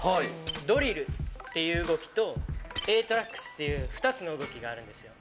ドリルっていう動きとＡトラックスっていう２つの動きがあるんですよ。